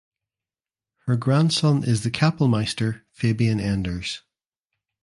Her grandson is the Kapellmeister Fabian Enders.